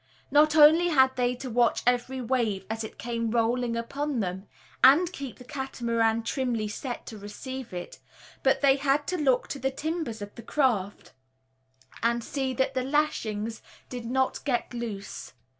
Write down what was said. Not only had they to watch every wave as it came rolling upon them, and keep the Catamaran trimly set to receive it, but they had to look to the timbers of the craft, and see that the lashings did not get loose.